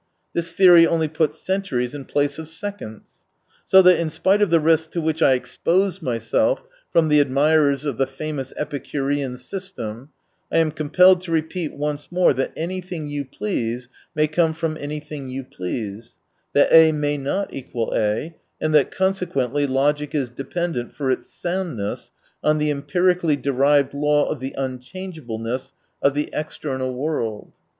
This theory only puts cen turies in place of seconds. So that, in spite of the risk to which I expose myself from the admirers of the famous Epicurean system, I am compelled to repeat once more that anything you please may come from anything you please, that A may not equal A, and that consequently logic is dependent, for its soundness, on the empirically derived law of the unchangeableness of the external 128 world.